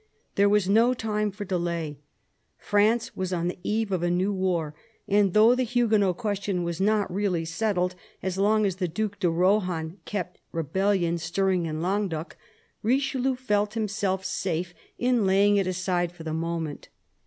There was no time for delay. France was on the eve of a new war ; and, though the Huguenot question was not really settled as long as the Due de Rohan kept rebellion stirring in Languedoc, Richelieu felt himself safe in laying it aside for the moment.